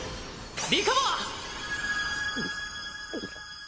リカバー！